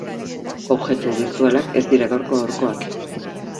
Objektu birtualak ez dira gaurko-gaurkoak.